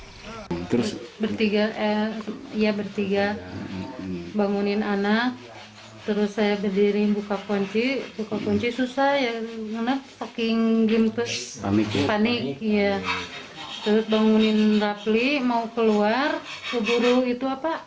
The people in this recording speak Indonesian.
odeh bertiga bangun anak terus saya berdiri buka kunci susah ya panik terus bangunin rapli mau keluar keburu itu apa